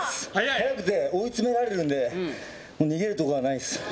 速くて追いつめられるので逃げるところがないです。